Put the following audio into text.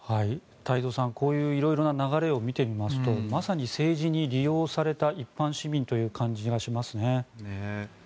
太蔵さんこういう色々な流れを見てみますとまさに政治に利用された一般市民という感じがしますね。